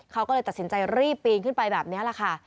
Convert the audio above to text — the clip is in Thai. เขาก็เลยตัดสินใจรีบปีนขึ้นไปแบบนี้แหละค่ะ